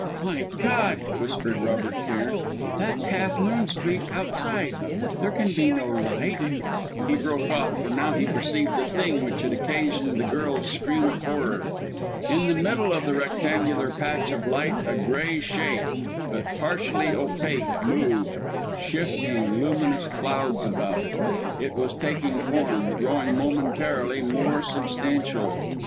"My God!" whispered Robert Cairn "that's Half Moon Street outside. There can be no light " He broke off, for now he perceived the Thing which had occasioned the girl's scream of horror. In the middle of the rectangular patch of light, a grey shape, but partially opaque, moved shifting, luminous clouds about it was taking form, growing momentarily more substantial!